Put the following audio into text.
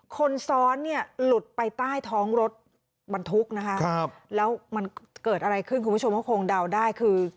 คนซ้อนเนี่ยหลุดไปใต้ท้องรถบรรทุกนะคะแล้วมันเกิดอะไรขึ้นคุณผู้ชมก็คงเดาได้คือ